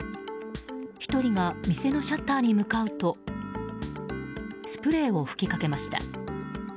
１人が店のシャッターに向かうとスプレーを吹きかけました。